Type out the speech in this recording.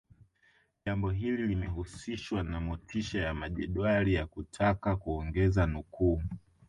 Jambo hili limehusishwa na motisha ya majedwali ya kutaka kuongeza nukuu